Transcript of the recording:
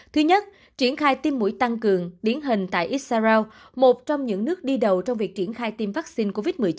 thứ nhất triển khai tiêm mũi tăng cường điển hình tại israel một trong những nước đi đầu trong việc triển khai tiêm vaccine covid một mươi chín